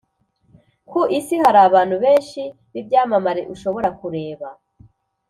Ku isi hari abantu benshi b ibyamamare ushobora kureba